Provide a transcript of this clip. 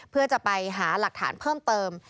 เพื่อจะไปหาหลักฐานเพิ่มเติม